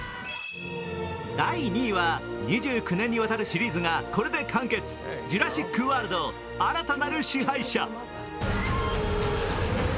第２位は２９年にわたるシリーズがこれで完結、「ジュラシック・ワールド新たなる支配者」。